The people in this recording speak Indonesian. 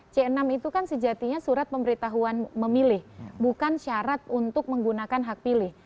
c enam itu kan sejatinya surat pemberitahuan memilih bukan syarat untuk menggunakan hak pilih